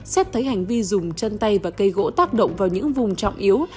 xét thấy hành vi dùng chân tay và cây gỗ tác động vào những vùng trọng yếu